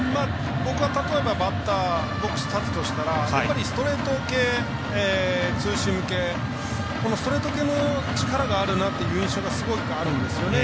僕は例えばバッターボックス立つとしたらやっぱりストレート系ツーシーム系このストレート系の力あるなという印象がすごくあるんですね。